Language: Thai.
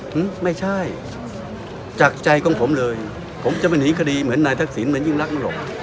ไม่ใช่จากใจของผมเลยผมจะเป็นหนีคดีเหมือนนายทักษิณเหมือนยิ่งรักหรอก